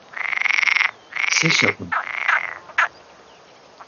Селъэӏун?